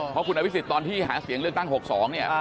เพราะตอนที่หาเสียงเลือกสร้าง๖๒